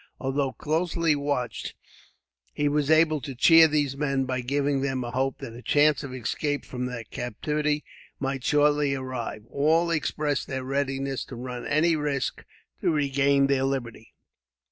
Although closely watched, he was able to cheer these men, by giving them a hope that a chance of escape from their captivity might shortly arrive. All expressed their readiness to run any risk to regain their liberty.